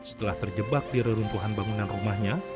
setelah terjebak di reruntuhan bangunan rumahnya